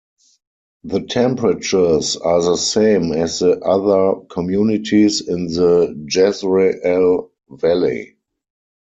The temperatures are the same as the other communities in the Jezre'el Valley.